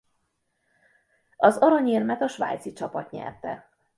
Az aranyérmet a svájci csapat nyerte.